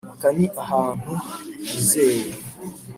aka ni ahantu hizewe?\